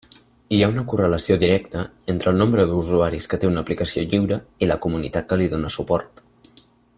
Hi ha una correlació directa entre el nombre d'usuaris que té una aplicació lliure i la comunitat que li dóna suport.